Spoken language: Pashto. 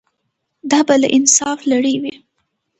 دا به له انصافه لرې وي.